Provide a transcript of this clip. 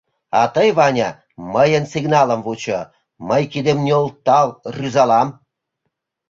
А тый, Ваня, мыйын сигналым вучо: мый кидем нӧлтал рӱзалам.